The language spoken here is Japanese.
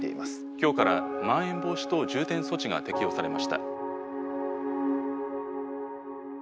今日からまん延防止等重点措置が適用されました。